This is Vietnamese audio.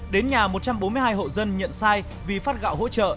đến nhà một trăm bốn mươi hai hộ dân nhận sai vì phát gạo hỗ trợ